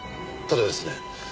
ただですね